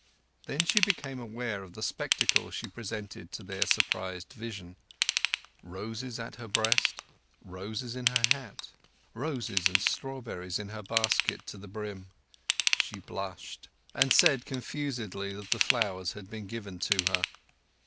Then she became aware of the spectacle she presented to their surprised vision: roses at her breasts; roses in her hat; roses and strawberries in her basket to the brim. She blushed, and said confusedly that the flowers had been given to her.